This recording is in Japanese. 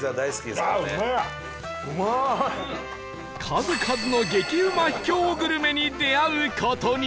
数々の激うま秘境グルメに出会う事に